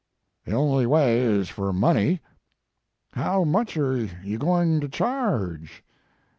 " The only way is for money. " How much are you going to charge?